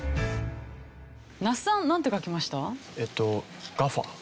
那須さんなんて書きました？